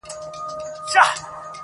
زيرى د ژوند.